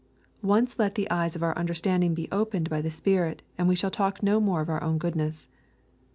Once let the eyes of our understanding be^ened by the Spirit, and we shall talk no more of our own goodness.